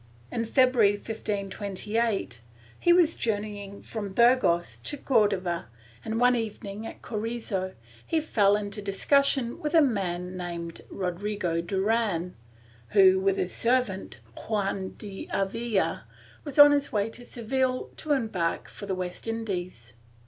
In February, 1528, he was journeying from Burgos to Cordova and, one evening at Corezo, he fell into discussion with a man named Rodrigo Duran who, with his servant, Juan de Avella, was on his way to Seville to embark for the West Indies.